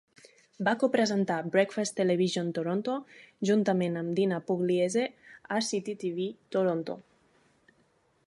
Va copresentar "Breakfast Television Toronto" juntament amb Dina Pugliese a Citytv Toronto.